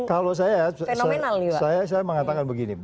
kalau saya saya mengatakan begini